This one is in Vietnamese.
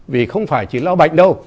vì không phải chỉ lo bệnh đâu